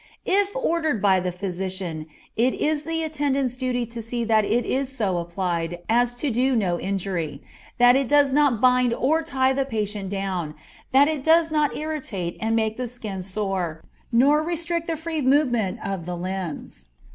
If ordered by the physician it is the attendant's duty to see that it is so applied as to do no injury, that it does not bind or tie the patient down, that it does not irritate and make the skin sore, nor restrict the free movement of the limbs.